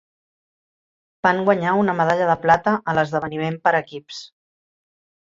Van guanyar una medalla de plata a l'esdeveniment per equips.